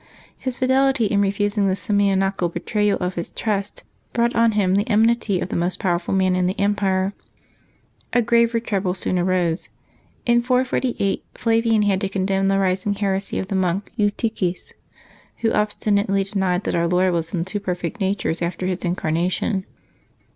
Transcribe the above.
His fidelity in refusing this simoniacal betrayal of his trust brought on him the enmity of the most powerful man in the empire. A graver trouble soon arose. In 448 Flavian had to Febbuaby 18] LIVES OF TEE SAINTS 77, condemn the rising heresy of the monk Eutyches, who ob stinately denied that Onr Lord was in two perfect natures after His Incarnation.